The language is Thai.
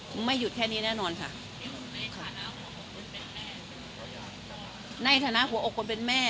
ผมไม่หยุดแค่นี้แน่นอนค่ะในฐานะหัวอกคนเป็นแม่